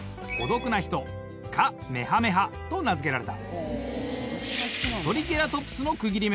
と名付けられた。